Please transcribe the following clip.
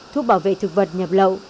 thuốc bảo vệ thực vật nhập lậu